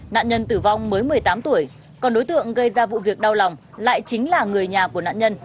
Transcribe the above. nạn nhân tử vong mới một mươi tám tuổi còn đối tượng gây ra vụ việc đau lòng lại chính là người nhà của nạn nhân